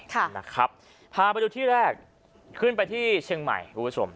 พาไปดูที่แรกขึ้นไปที่เชียงใหม่คุณผู้ชม